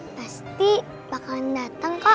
pasti bakalan datang kok